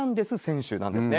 選手なんですね。